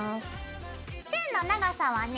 チェーンの長さはね